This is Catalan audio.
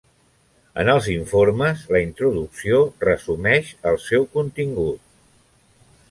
En els informes, la introducció resumeix el seu contingut.